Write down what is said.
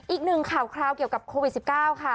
อีกหนึ่งข่าวคราวเกี่ยวกับโควิด๑๙ค่ะ